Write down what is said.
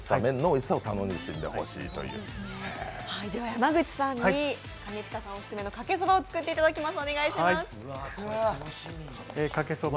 山口さんに兼近さんおすすめのかけそばを作っていただきます。